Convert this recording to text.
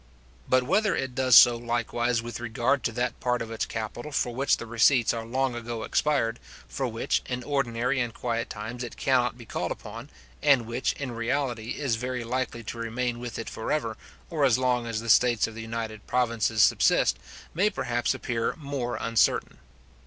But whether it does so likewise with regard to that part of its capital for which the receipts are long ago expired, for which, in ordinary and quiet times, it cannot be called upon, and which, in reality, is very likely to remain with it for ever, or as long as the states of the United Provinces subsist, may perhaps appear more uncertain.